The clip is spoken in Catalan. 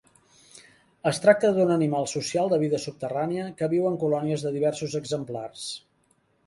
Es tracta d'un animal social de vida subterrània que viu en colònies de diversos exemplars.